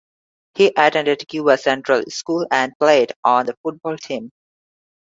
He attended Cuba Central School and played on their football team.